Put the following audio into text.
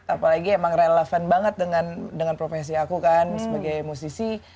apalagi emang relevan banget dengan profesi aku kan sebagai musisi